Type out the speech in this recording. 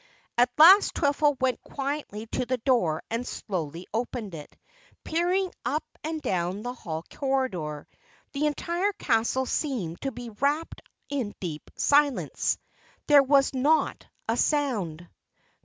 At last Twiffle went quietly to the door and slowly opened it, peering up and down the hall corridor. The entire castle seemed to be wrapped in deep silence. There was not a sound.